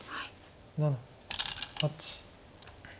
７８。